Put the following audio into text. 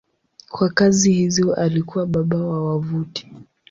Kwa kazi hizi alikuwa baba wa wavuti.